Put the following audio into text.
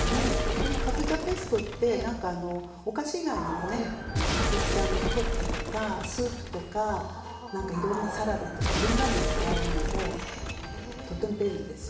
でもかぼちゃペーストってなんかお菓子以外にもねかぼちゃのコロッケとかスープとかなんかいろんなサラダとかいろんなのに使えるのでとても便利ですね。